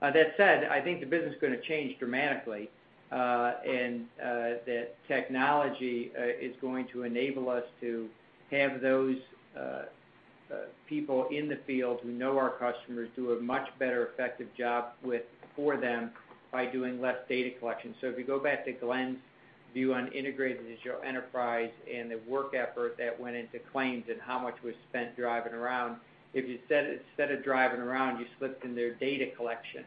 That said, I think the business is going to change dramatically, that technology is going to enable us to have those people in the field who know our customers do a much better effective job for them by doing less data collection. If you go back to Glenn's view on Integrated Digital Enterprise and the work effort that went into claims and how much was spent driving around, if instead of driving around, you slipped in their data collection,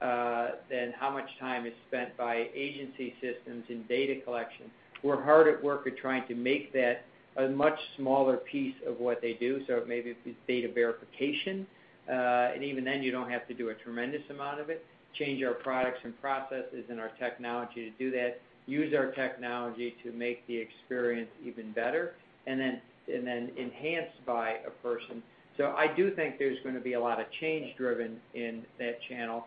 how much time is spent by agency systems in data collection? We're hard at work at trying to make that a much smaller piece of what they do. Maybe if it's data verification, even then you don't have to do a tremendous amount of it, change our products and processes and our technology to do that, use our technology to make the experience even better, then enhanced by a person. I do think there's going to be a lot of change driven in that channel.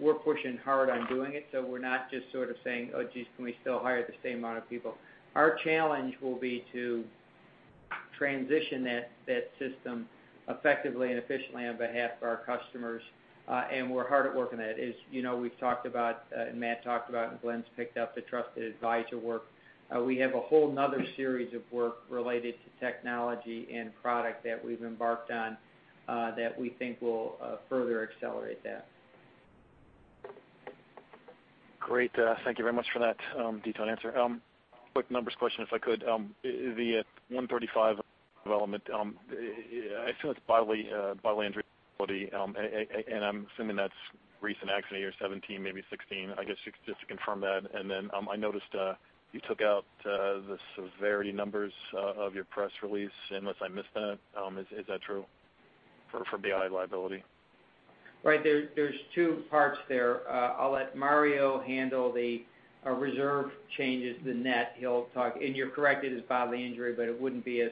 We're pushing hard on doing it, so we're not just sort of saying, "Oh, geez, can we still hire the same amount of people?" Our challenge will be to transition that system effectively and efficiently on behalf of our customers. We're hard at work on that. As we've talked about, Matt talked about, Glenn's picked up the trusted advisor work. We have a whole other series of work related to technology and product that we've embarked on, that we think will further accelerate that. Great. Thank you very much for that detailed answer. Quick numbers question, if I could. The 135 development, I assume it's bodily injury and property, and I'm assuming that's recent accident year 2017, maybe 2016. I guess just to confirm that. Then I noticed you took out the severity numbers of your press release, unless I missed that. Is that true for BI liability? Right. There's two parts there. I'll let Mario handle the reserve changes, the net he'll talk. You're correct, it is bodily injury, but it wouldn't be as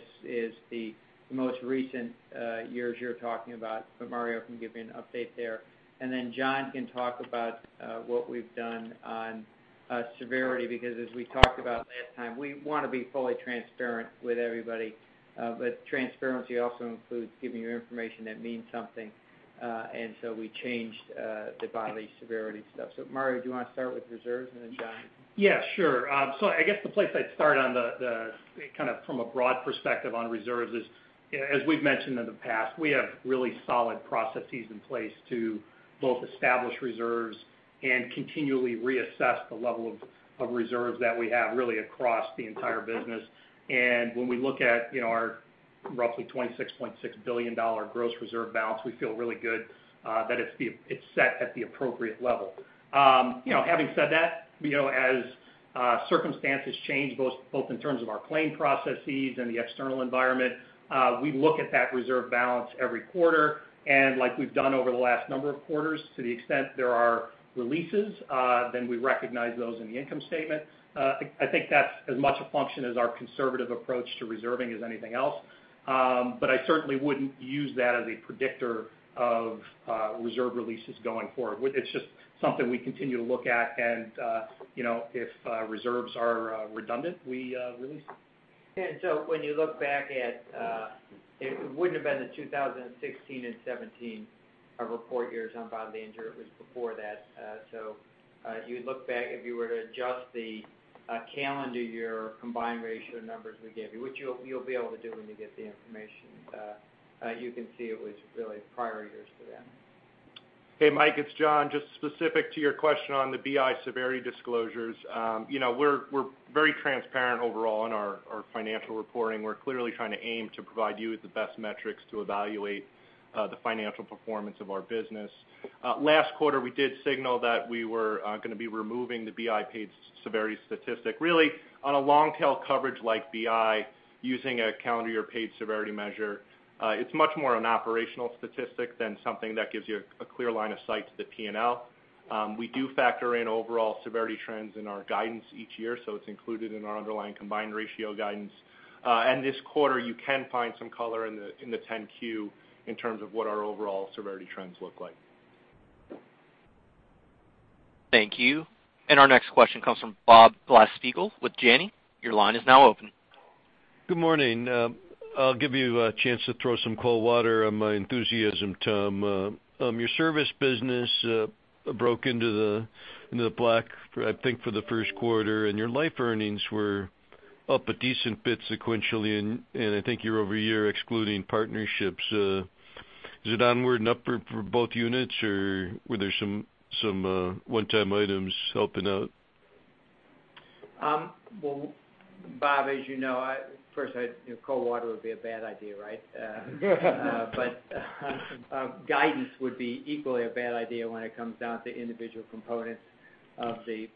the most recent years you're talking about. Mario can give you an update there. John can talk about what we've done on severity, because as we talked about last time, we want to be fully transparent with everybody. Transparency also includes giving you information that means something. We changed the bodily severity stuff. Mario, do you want to start with reserves and then John? Yeah, sure. I guess the place I'd start on the kind of from a broad perspective on reserves is, as we've mentioned in the past, we have really solid processes in place to both establish reserves and continually reassess the level of reserves that we have really across the entire business. When we look at our roughly $26.6 billion gross reserve balance, we feel really good that it's set at the appropriate level. Having said that, as circumstances change both in terms of our claim processes and the external environment, we look at that reserve balance every quarter. Like we've done over the last number of quarters, to the extent there are releases, then we recognize those in the income statement. I think that's as much a function as our conservative approach to reserving as anything else. I certainly wouldn't use that as a predictor of reserve releases going forward. It's just something we continue to look at and if reserves are redundant, we release them. When you look back at, it wouldn't have been the 2016 and 2017 report years on bodily injury. It was before that. You would look back if you were to adjust the calendar year combined ratio numbers we gave you, which you'll be able to do when you get the information. You can see it was really prior years to then. Hey, Mike, it's John. Just specific to your question on the BI severity disclosures. We're very transparent overall in our financial reporting. We're clearly trying to aim to provide you with the best metrics to evaluate the financial performance of our business. Last quarter, we did signal that we were going to be removing the BI paid severity statistic. Really on a long-tail coverage like BI, using a calendar year paid severity measure, it's much more an operational statistic than something that gives you a clear line of sight to the P&L. We do factor in overall severity trends in our guidance each year, so it's included in our underlying combined ratio guidance. This quarter, you can find some color in the 10-Q in terms of what our overall severity trends look like. Thank you. Our next question comes from Bob Glasspiegel with Janney. Your line is now open. Good morning. I'll give you a chance to throw some cold water on my enthusiasm, Tom. Your service business broke into the black, I think, for the first quarter, your life earnings were up a decent bit sequentially, I think year-over-year excluding partnerships. Is it onward and upward for both units, or were there some one-time items helping out? Well, Bob, as you know, first, cold water would be a bad idea, right? Guidance would be equally a bad idea when it comes down to individual components of the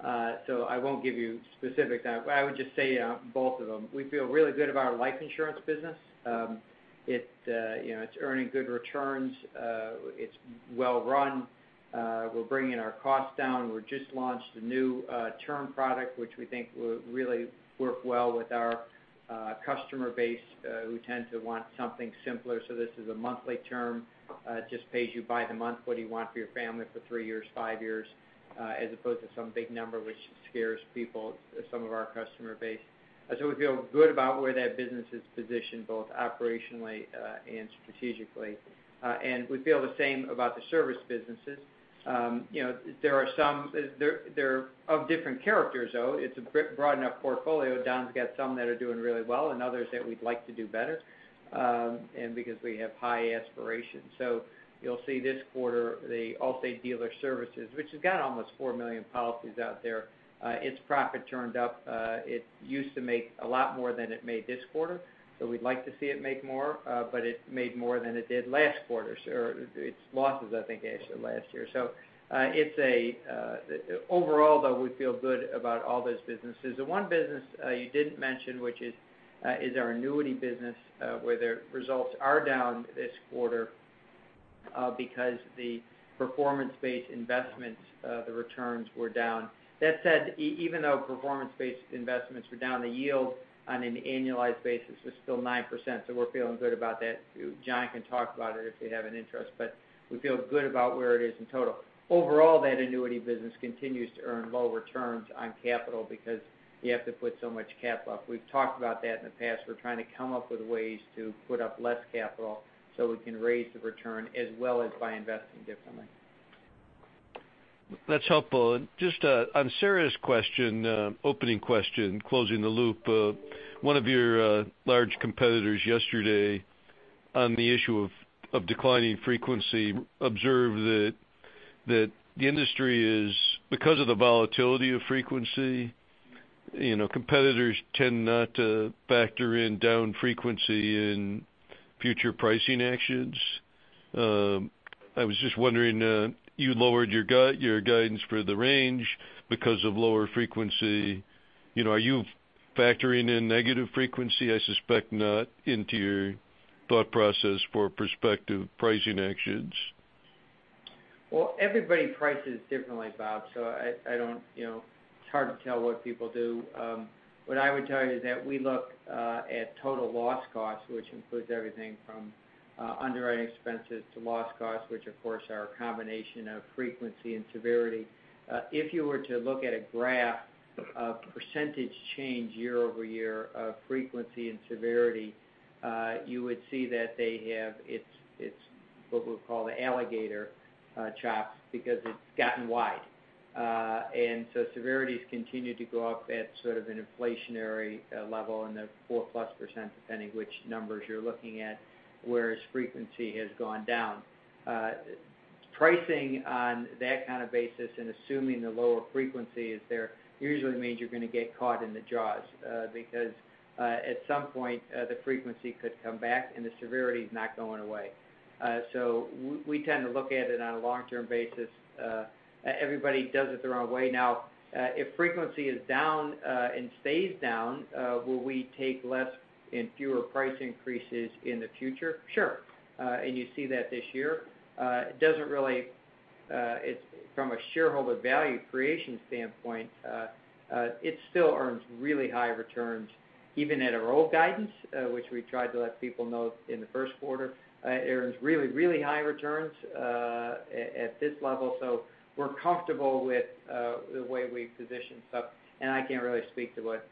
P&L. I won't give you specifics. I would just say both of them. We feel really good about our life insurance business. It's earning good returns. It's well run. We're bringing our costs down. We just launched a new term product, which we think will really work well with our customer base, who tend to want something simpler. This is a monthly term, just pays you by the month, what you want for your family for three years, five years, as opposed to some big number, which scares people, some of our customer base. We feel good about where that business is positioned, both operationally and strategically. We feel the same about the service businesses. They're of different characters, though. It's a broad enough portfolio. Don's got some that are doing really well and others that we'd like to do better, because we have high aspirations. You'll see this quarter, the Allstate Dealer Services, which has got almost 4 million policies out there, its profit turned up. It used to make a lot more than it made this quarter, so we'd like to see it make more. It made more than it did last quarter, or its losses, I think, last year. Overall, though, we feel good about all those businesses. The one business you didn't mention, which is our annuity business, where the results are down this quarter because the performance-based investments, the returns were down. That said, even though performance-based investments were down, the yield on an annualized basis was still 9%, so we're feeling good about that. John can talk about it if you have an interest, but we feel good about where it is in total. Overall, that annuity business continues to earn low returns on capital because you have to put so much cap up. We've talked about that in the past. We're trying to come up with ways to put up less capital so we can raise the return as well as by investing differently. That's helpful. Just on Sarah's question, opening question, closing the loop. One of your large competitors yesterday on the issue of declining frequency observed that the industry is, because of the volatility of frequency, competitors tend not to factor in down frequency in future pricing actions. I was just wondering, you lowered your guidance for the range because of lower frequency. Are you factoring in negative frequency, I suspect not, into your thought process for prospective pricing actions? Well, everybody prices differently, Bob, so it's hard to tell what people do. What I would tell you is that we look at total loss cost, which includes everything from underwriting expenses to loss cost, which, of course, are a combination of frequency and severity. If you were to look at a graph of percentage change year-over-year of frequency and severity, you would see that they have what we'll call the alligator chops because it's gotten wide. Severities continue to go up at sort of an inflationary level in the 4%+, depending which numbers you're looking at, whereas frequency has gone down. Pricing on that kind of basis and assuming the lower frequency is there usually means you're going to get caught in the jaws because at some point, the frequency could come back and the severity is not going away. We tend to look at it on a long-term basis. Everybody does it their own way. If frequency is down and stays down, will we take less and fewer price increases in the future? Sure. You see that this year. From a shareholder value creation standpoint, it still earns really high returns, even at our old guidance, which we tried to let people know in the first quarter. It earns really, really high returns at this level. We're comfortable with the way we've positioned stuff, and I can't really speak to what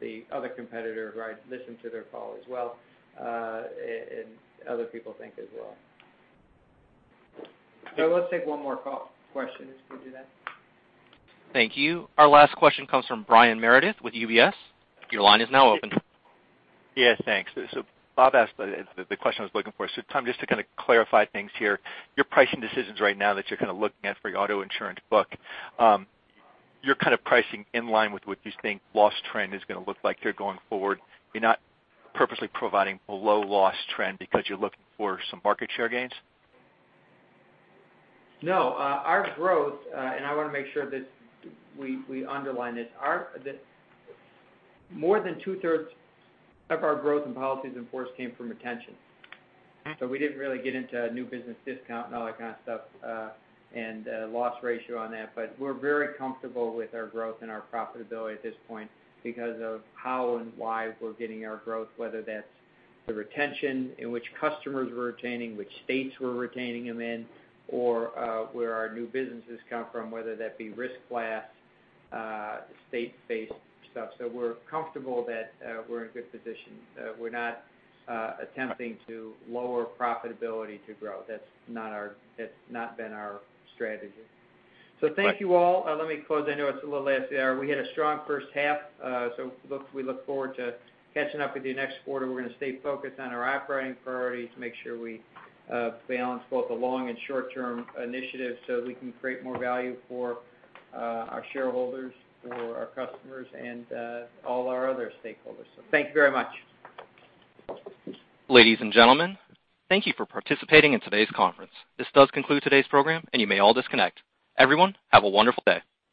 the other competitor, listen to their call as well, and other people think as well. Let's take one more question, if we do that. Thank you. Our last question comes from Brian Meredith with UBS. Your line is now open. Yeah, thanks. Bob asked the question I was looking for. Tom, just to kind of clarify things here, your pricing decisions right now that you're kind of looking at for your auto insurance book, you're kind of pricing in line with what you think loss trend is going to look like here going forward. You're not purposely providing below loss trend because you're looking for some market share gains? No. Our growth, I want to make sure that we underline this, more than two-thirds of our growth in policies in force came from retention. Okay. We didn't really get into new business discount and all that kind of stuff, and loss ratio on that. We're very comfortable with our growth and our profitability at this point because of how and why we're getting our growth, whether that's the retention in which customers we're retaining, which states we're retaining them in, or where our new business has come from, whether that be risk class, state-based stuff. We're comfortable that we're in a good position. We're not attempting to lower profitability to grow. That's not been our strategy. Thank you, all. Let me close. I know it's a little last there. We had a strong first half. We look forward to catching up with you next quarter. We're going to stay focused on our operating priorities to make sure we balance both the long and short-term initiatives so we can create more value for our shareholders, for our customers, and all our other stakeholders. Thank you very much. Ladies and gentlemen, thank you for participating in today's conference. This does conclude today's program, and you may all disconnect. Everyone, have a wonderful day.